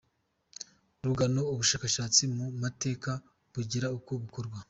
Rugano ubushakashatsi mu mateka bugira uko bukorwa.